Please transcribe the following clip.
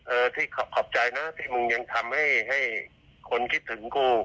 ที่ขอบใจนะที่มึงยังทำให้ให้คนคิดถึงกู